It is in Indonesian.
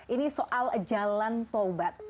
ini soal jalan taubat